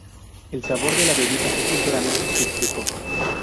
El sabor de la bebida es ligeramente cítrico.